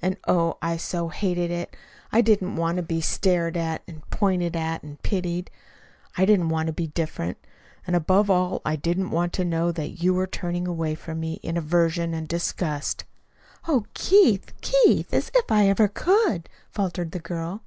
And, oh, I so hated it! I didn't want to be stared at, and pointed out, and pitied. I didn't want to be different. And above all I didn't want to know that you were turning away from me in aversion and disgust." "Oh, Keith, Keith, as if I ever could!" faltered the girl.